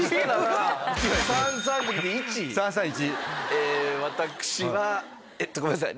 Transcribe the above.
えー私はごめんなさい。